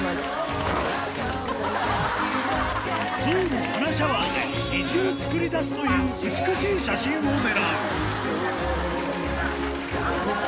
ゾウの鼻シャワーで虹を作りだすという美しい写真を狙う。